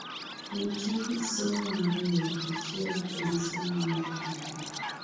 Nitie kit somo ariyo, achiel en somo mar tije